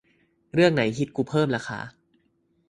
เรื่องไหนฮิตกูเพิ่มราคา